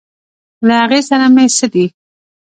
له هغې سره مې څه دي.